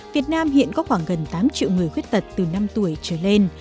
việt nam hiện có khoảng gần tám triệu người khuyết tật từ năm tuổi trở lên